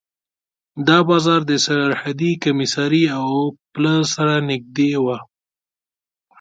دا بازار د سرحدي کمېسارۍ او پله سره نږدې و.